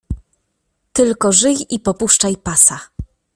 "Tylko żyj i popuszczaj pasa!"